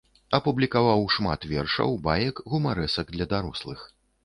Апублікаваў шмат вершаў, баек, гумарэсак для дарослых.